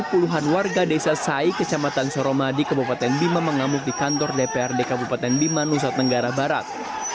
puluhan warga desa sai kecamatan soromadi kabupaten bima mengamuk di kantor dprd kabupaten bima nusa tenggara barat